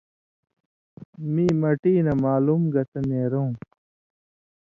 مِیں مٹی نہ معلوم گتہ نېرؤں